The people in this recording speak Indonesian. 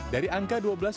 dari angka dua belas